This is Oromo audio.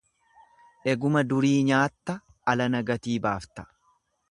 Eguma durii nyaatta alana gatii baafta.